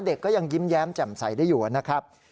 เด็กก็ยังยิ้มแย้มแจ่มใสได้อยู่นะครับ